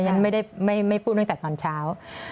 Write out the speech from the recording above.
ฉันไม่ได้ไม่พูดตั้งแต่ตอนเช้า